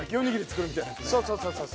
そうそうそうそう。